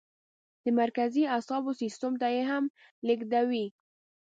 د مرکزي اعصابو سیستم ته یې لیږدوي.